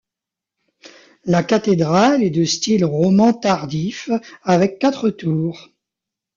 La cathédrale est de style roman tardif avec quatre tours.